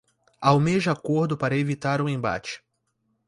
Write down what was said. Almeja acordo para evitar o embate